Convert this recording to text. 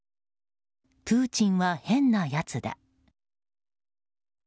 プーチンは変なやつだ。